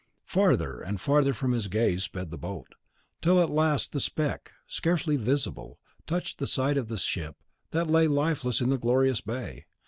Farther and farther from his gaze sped the boat, till at last the speck, scarcely visible, touched the side of the ship that lay lifeless in the glorious bay.